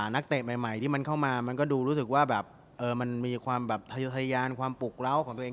นักเตะใหม่ที่มันเข้ามามันก็ดูรู้สึกว่าแบบมันมีความแบบทะยานความปลุกเล้าของตัวเอง